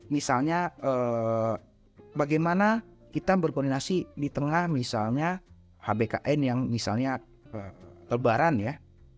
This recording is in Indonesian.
misalnya bagaimana kita berkoordinasi di tengah misalnya hbkn yang misalnya lebaran ya